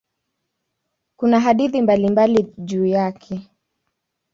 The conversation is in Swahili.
Kuna hadithi mbalimbali juu yake.